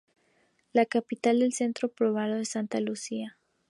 Su capital es el centro poblado de Santa Lucía.